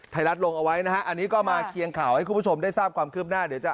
ลงเอาไว้นะฮะอันนี้ก็มาเคียงข่าวให้คุณผู้ชมได้ทราบความคืบหน้าเดี๋ยวจะ